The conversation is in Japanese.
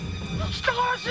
人殺し！